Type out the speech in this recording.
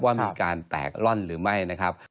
ว่ามีการแตกร่อนหรือไม่นะครับ